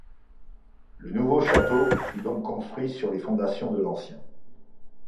Le nouveau château fut donc construit sur les fondations de l'ancien.